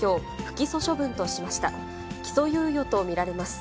起訴猶予と見られます。